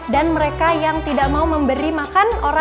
dan mereka berkata